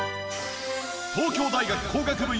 東京大学工学部